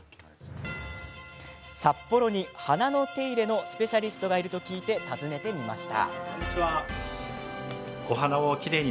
札幌に、花の手入れのスペシャリストがいると聞いて訪ねてみました。